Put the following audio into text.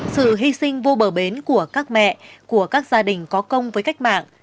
sự hy sinh vô bờ bến của các mẹ của các gia đình có công với cách mạng